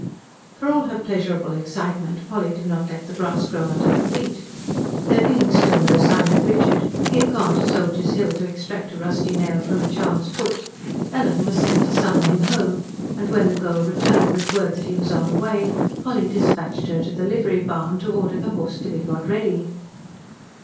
For all her pleasurable excitement Polly did not let the grass grow under her feet. There being still no sign of Richard he had gone to Soldiers' Hill to extract a rusty nail from a child's foot Ellen was sent to summon him home; and when the girl returned with word that he was on the way, Polly dispatched her to the livery barn, to order the horse to be got ready.